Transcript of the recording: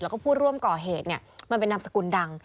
แล้วก็ผู้ร่วมก่อเหตุมันเป็นนามสกุลดัง